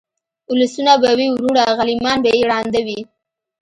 اولسونه به وي وروڼه غلیمان به یې ړانده وي